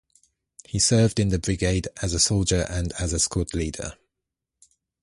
He served in the Brigade as a soldier and as a squad leader.